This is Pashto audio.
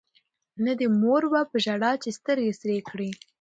نه دي مور وه په ژړا چي سترګي سرې کړي